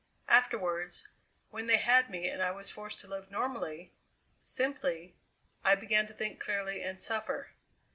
Afterward, when they had me and I was forced to live normally, simply, I began to think clearly and suffer.